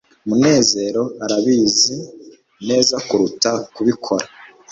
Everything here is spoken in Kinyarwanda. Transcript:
munezero arabizi neza kuruta kubikora